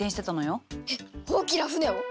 えっ大きな船を？